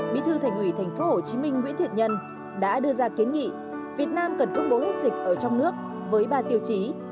bí thư thành ủy tp hcm nguyễn thiện nhân đã đưa ra kiến nghị việt nam cần công bố hết dịch ở trong nước với ba tiêu chí